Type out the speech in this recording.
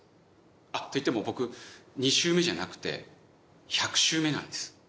あっといっても僕２周目じゃなくて１００周目なんです。